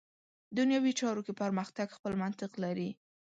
دنیوي چارو کې پرمختګ خپل منطق لري.